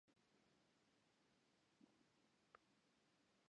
By de begraffenis hie er stimmige swarte klean oan.